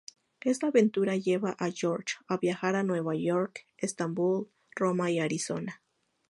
Esta aventura lleva a George a viajar a Nueva York, Estambul, Roma y Arizona.